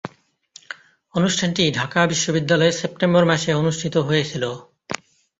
অনুষ্ঠানটি ঢাকা বিশ্ববিদ্যালয়ে সেপ্টেম্বর মাসে অনুষ্ঠিত হয়েছিলো।